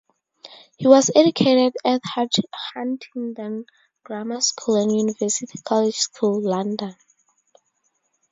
He was educated at Huntingdon Grammar school and University College School, London.